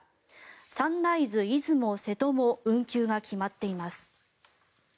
サンライズ出雲・瀬戸も運休が決まっています。